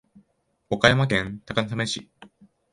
岡山県高梁市